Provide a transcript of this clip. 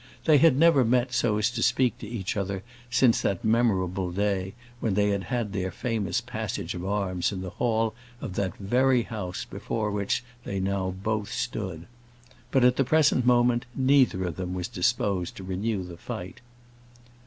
They had never met so as to speak to each other since that memorable day, when they had their famous passage of arms in the hall of that very house before which they both now stood. But, at the present moment, neither of them was disposed to renew the fight.